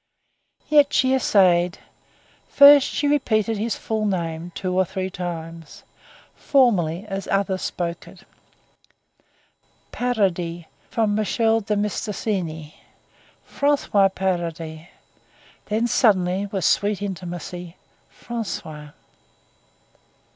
Yet she essayed. First she repeated his full name two or three times, formally, as others spoke it: François Paradis, from St. Michel de Mistassini ... François Paradis ... Then suddenly, with sweet intimacy, François!